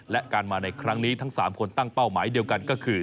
และการมาในครั้งนี้ทั้ง๓คนตั้งเป้าหมายเดียวกันก็คือ